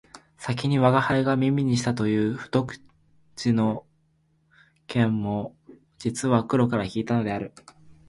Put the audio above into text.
先に吾輩が耳にしたという不徳事件も実は黒から聞いたのである